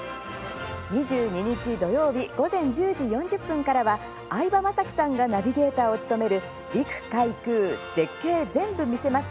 ２２日、土曜日午前１０時４０分からは相葉雅紀さんがナビゲーターを務める「陸海空絶景ぜんぶ見せます！